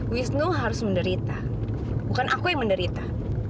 wisnu harus menderita bukan aku yang menderita